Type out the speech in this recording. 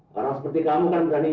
kalau seperti kamu kan rani